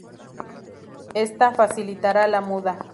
Esta facilitará la muda.